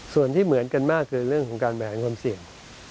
ส่วนที่เหมือนกันมากคือเรื่องของการบริหารความเสี่ยง